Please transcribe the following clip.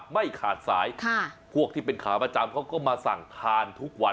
ไม่ขาดสายพวกที่เป็นขาประจำเขาก็มาสั่งทานทุกวัน